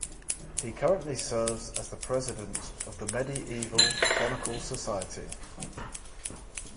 He currently serves as the president of the Medieval Chronicle Society.